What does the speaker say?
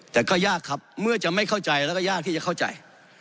แต่ก็ยากครับเมื่อจะไม่เข้าใจแล้วก็ยากที่จะเข้าใจ